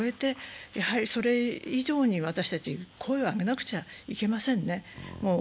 でも、それ以上に私たちは声を上げなくちゃいけませんね。